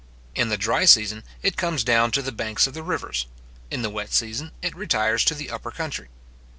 In the dry season, it comes down to the banks of the rivers; in the wet season, it retires to the upper country.